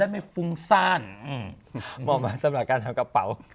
มาไงนะครับ